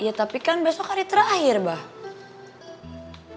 ya tapi kan besok hari terakhir bah